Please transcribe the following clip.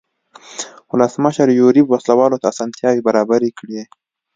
ولسمشر یوریب وسله والو ته اسانتیاوې برابرې کړې.